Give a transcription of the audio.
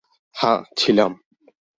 হ্যাঁ, ছিলাম।